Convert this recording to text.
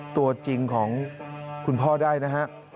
ตัวจริงของคุณพ่อได้นะฮะ